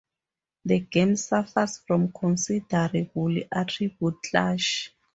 The game suffers from considerable attribute clash.